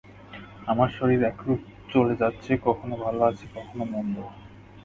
আমার শরীর একরূপ চলে যাচ্ছে, কখনও ভাল আছি, কখনও মন্দ।